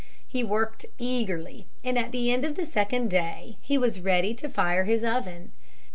He worked eagerly and at the end of the second day he was ready to fire his oven.